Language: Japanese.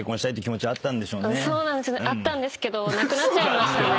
あったんですけどなくなっちゃいましたね。